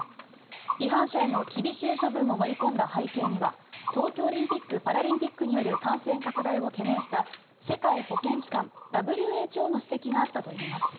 違反者への厳しい処分も盛り込んだ背景には東京オリンピック・パラリンピックによる感染拡大を懸念した世界保健機関・ＷＨＯの指摘があったといいます。